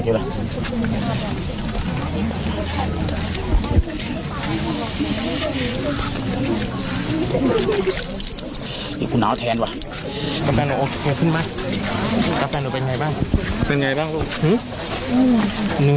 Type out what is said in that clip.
กระแปนหนูเป็นไงบ้าง